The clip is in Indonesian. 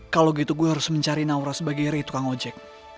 kalau gitu gue harus mencari naura sebagai ri tukang ojek